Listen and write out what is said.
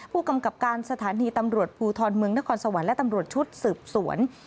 ผู้กำกับการสถานีตำรวจภูทรเมืองนครสวรรค์และตำรวจชุดสืบสวน